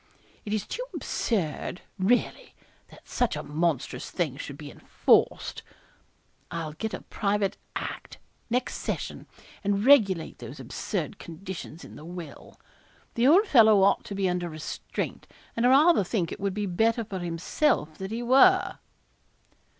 It is too absurd, really, that such a monstrous thing should be enforced; I'll get a private Act, next Session, and regulate those absurd conditions in the will. The old fellow ought to be under restraint; and I rather think it would be better for himself that he were.'